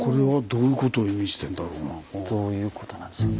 どういうことなんでしょう。